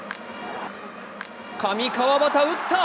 上川畑打った！